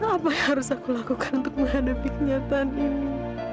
apa yang harus aku lakukan untuk menghadapi kenyataan ini